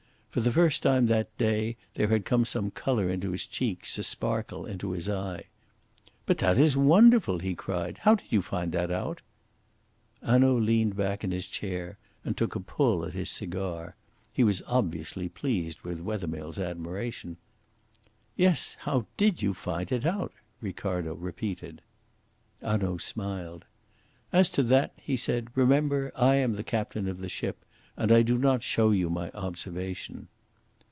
For the first time that day there had come some colour into his cheeks, a sparkle into his eye. "But that is wonderful!" he cried. "How did you find that out?" Hanaud leaned back in his chair and took a pull at his cigar. He was obviously pleased with Wethermill's admiration. "Yes, how did you find it out?" Ricardo repeated. Hanaud smiled. "As to that," he said, "remember I am the captain of the ship, and I do not show you my observation."